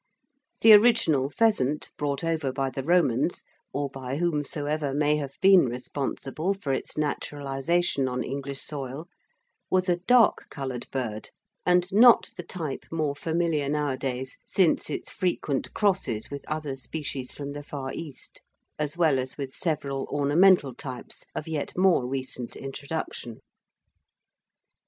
The original pheasant brought over by the Romans, or by whomsoever may have been responsible for its naturalisation on English soil, was a dark coloured bird and not the type more familiar nowadays since its frequent crosses with other species from the Far East, as well as with several ornamental types of yet more recent introduction.